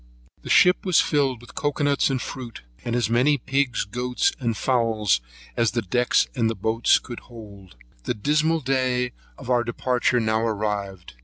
The ship was filled with cocoa nuts and fruit, as many pigs, goats, and fowls, as the decks and boats would hold. The dismal day of our departure now arrived.